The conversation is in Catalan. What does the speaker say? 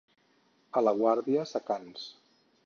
A la Guàrdia, secants.